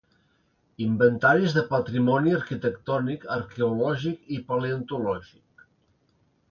Inventaris de patrimoni arquitectònic, arqueològic i paleontològic.